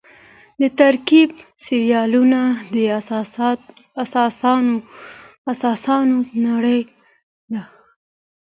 د ترکیې سریالونه د احساسونو نړۍ ده.